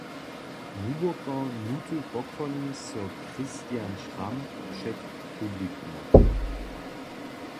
Hłuboko hnuty pokłoni so Christian Schramm před publikumom.